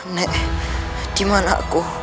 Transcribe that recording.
nek dimana aku